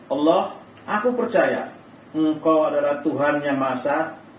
allah aku percaya engkau adalah tuhan yang maha